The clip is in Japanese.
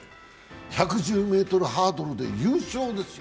１１０ｍハードルで優勝ですよ。